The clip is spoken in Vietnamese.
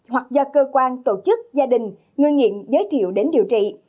hoặc do cơ quan tổ chức gia đình người nghiện giới thiệu đến điều trị